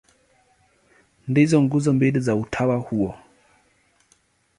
Ndizo nguzo mbili za utawa huo.